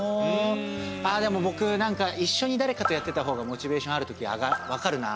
あぁでも僕なんか一緒にだれかとやってた方がモチベーションあるときわかるな。